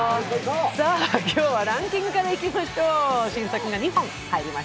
さあ今日はランキングからいきましょう。